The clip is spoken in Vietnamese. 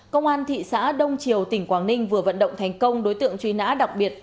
công an thị xã đông triều tỉnh quảng ninh vừa vận động thành công đối tượng truy nã đặc biệt